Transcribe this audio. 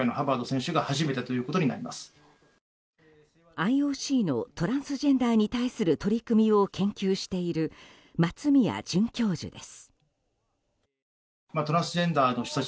ＩＯＣのトランスジェンダーに対する取り組みを研究している松宮准教授です。